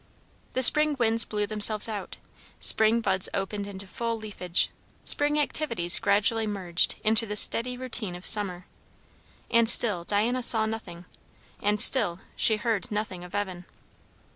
The spring winds blew themselves out; spring buds opened into full leafage; spring activities gradually merged into the steady routine of summer; and still Diana saw nothing, and still she heard nothing of Evan.